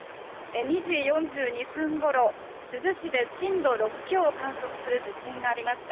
２時４２分ごろ、珠洲市で震度６強を観測する地震がありました。